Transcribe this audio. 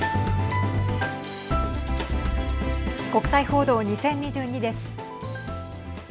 国際報道２０２２です。